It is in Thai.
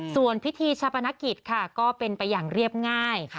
ส่วนพิธีชาปนกิจค่ะก็เป็นไปอย่างเรียบง่าย